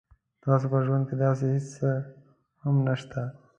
تاسو په ژوند کې داسې هیڅ څه هم نشته